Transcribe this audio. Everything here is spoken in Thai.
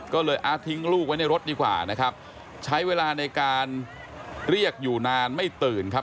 ก็เลยทิ้งลูกไว้ในรถดีกว่านะครับใช้เวลาในการเรียกอยู่นานไม่ตื่นครับ